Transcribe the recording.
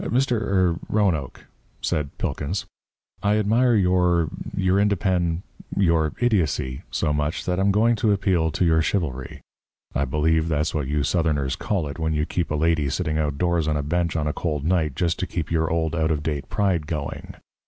"Mr. er Roanoke," said Pilkins, "I admire your your indepen your idiocy so much that I'm going to appeal to your chivalry. I believe that's what you Southerners call it when you keep a lady sitting outdoors on a bench on a cold night just to keep your old, out of date pride going.